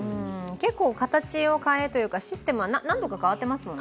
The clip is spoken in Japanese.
結構、形を変えというかシステム変わってますもんね。